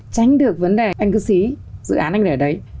tránh được vấn đề anh cứ xí dự án anh ở đấy